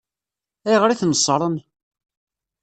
Ayɣer i ten-ṣṣṛen?